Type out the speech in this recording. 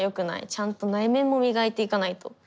ちゃんと内面も磨いていかないと。